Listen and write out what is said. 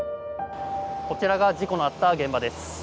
こちらが事故のあった現場です。